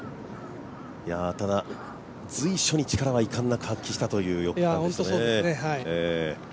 ただ、随所に力は遺憾なく発揮したという感じですね。